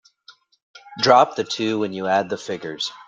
Drop the two when you add the figures.